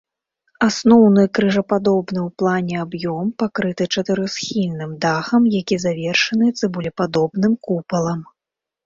Асноўны крыжападобны ў плане аб'ём пакрыты чатырохсхільным дахам, які завершаны цыбулепадобным купалам.